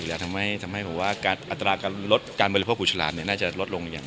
เพราะรภัยของรัฐบาล